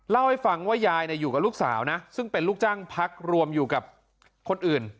เล่าให้ฟังว่ายายอยู่กับลูกสาวนะซึ่งเป็นลูกจ้างพักรวมอยู่กับคนอื่น